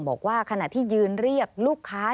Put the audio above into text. บอกว่าขณะที่ยืนเรียกลูกค้า